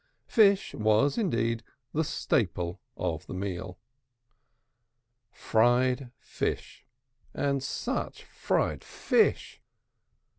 Fish was, indeed, the staple of the meal. Fried fish, and such fried fish!